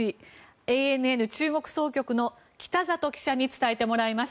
ＡＮＮ中国総局の北里記者に伝えてもらいます。